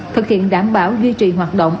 thực hiện đảm bảo duy trì hoạt động